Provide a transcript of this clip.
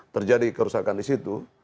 terjadi kerusakan di situ